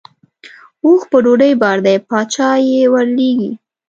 اوښ په ډوډۍ بار دی باچا یې ورلېږي.